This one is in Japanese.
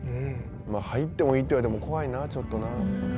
「入ってもいいって言われても怖いなちょっとな」